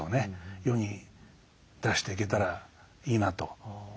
世に出していけたらいいなと思ってますね。